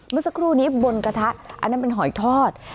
เมื่อสักครู่นี้บนกระทะอันนั้นเป็นหอยทอด